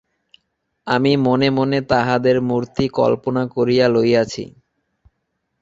আমি মনে মনে তাহাদের মূর্তি কল্পনা করিয়া লইয়াছি।